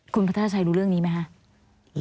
คุณพัฒนาชัยรู้เรื่องนี้ไหมคะ